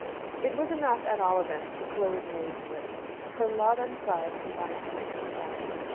It was enough, at all events, to close May's lips. Her love and pride combined to make her silent.